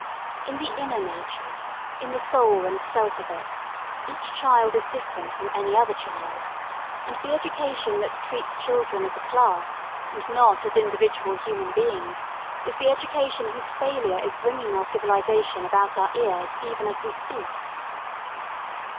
In the inner nature, in the soul and self of it, each child is different from any other child, and the education that treats children as a class and not as individual human beings is the education whose failure is bringing our civilisation about our ears even as we speak.